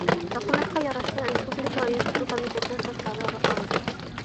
Документҡа ярашлы, республика ойоштороу комитеты составы раҫланды.